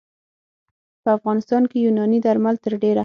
په افغانستان کې یوناني درمل تر ډېره